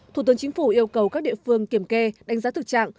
thủ tướng chính phủ yêu cầu các địa phương kiểm kê đánh giá thực trạng